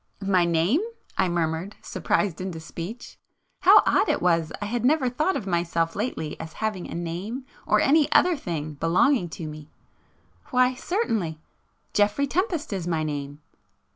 "My name?" I murmured, surprised into speech,—how odd it was I had never thought of myself lately as having a name or any other thing belonging to me!—"Why certainly! Geoffrey Tempest is my name."